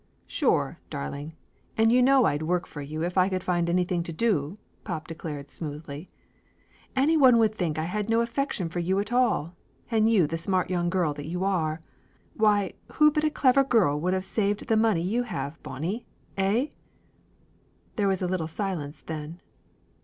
"Sure, darling, and you know I'd work for you if I could find anything to do," pop declared smoothly. "Any one would think I had no affection for you at all! And you the smart young girl that you are! Why, who but a clever girl would of saved the money you have, Bonnie? Eh?" There was a little silence then.